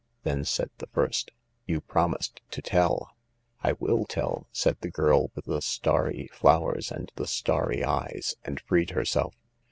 Then said the first, " You promised to tell." " I will tell," said the girl with the starry flowers and the starry eyes, and freed herself.